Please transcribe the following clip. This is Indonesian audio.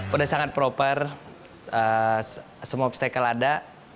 sudah sangat proper semua obstacle ada